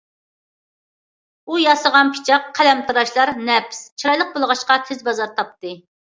ئۇ ياسىغان پىچاق، قەلەمتىراشلار نەپىس، چىرايلىق بولغاچقا، تېز بازار تاپتى.